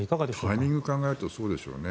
タイミングを考えるとそうですよね。